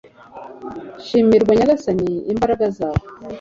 shimirwa nyagasani, imbaraga zawe